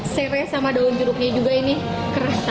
serai sama daun jeruknya juga ini kerasa